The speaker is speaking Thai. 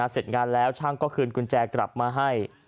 เสร็จงานแล้วช่างก็คืนกุญแจกลับมาให้